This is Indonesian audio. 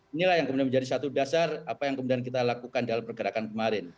inilah yang kemudian menjadi satu dasar apa yang kemudian kita lakukan dalam pergerakan kemarin